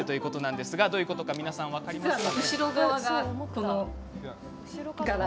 どういうことか分かりますか？